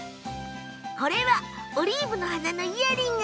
これはオリーブの花のイヤリング。